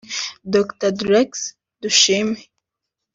Dr Dyrckx Dushime